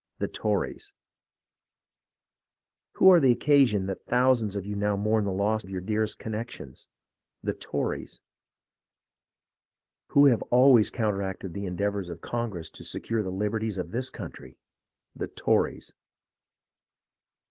The Tories ! Who are the occasion that thousands of you now mourn the loss of your dearest connections ? The Tories ! Who have always counteracted the endeavours of Congress to secure the liberties of this country? .The Tories